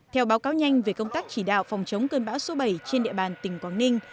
theo báo cáo nhanh về công tác chỉ đạo phòng chống cơn bão số bảy trên địa bàn tỉnh quảng ninh